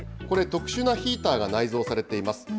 これ、特殊なヒーターが内蔵されています。